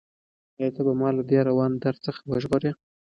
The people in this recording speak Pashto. ایا ته به ما له دې روان درد څخه وژغورې؟